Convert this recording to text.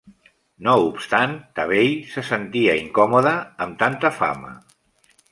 No obstant, Tabei se sentia incòmode amb tanta fama.